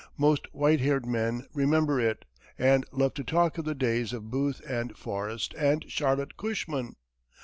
Most white haired men remember it, and love to talk of the days of Booth and Forrest and Charlotte Cushman.